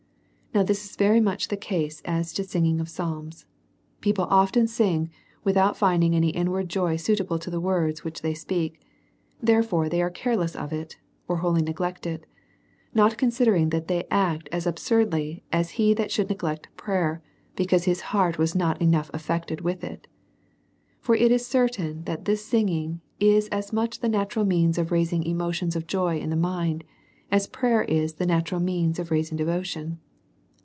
Now this is very much the case as to singing" of psalms, people often sing without finding any inward joy suitable to the words vvhich they speak ; therefore, they are careless of it, or wholly neglect it ; not con sidering* that they act as absurdly, as he tliat should neglect prayer, because his heart was not enough af fected with it. For it is certain, that this singing is as much the natural means of raising motions of joy in the mind, as prayer is the natural means of raising devotion.